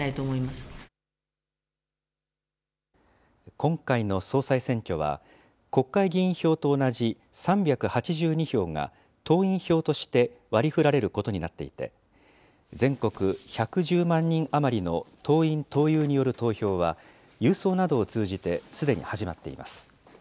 今回の総裁選挙は、国会議員票と同じ３８２票が党員票として割りふられることになっていて、全国１１０万人余りの党員・党友による投票は、郵送などを通じて、すでに始まっています。